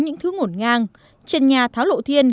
những thứ ngổn ngang trần nhà tháo lộ thiên